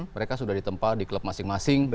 mereka sudah ditempa di klub masing masing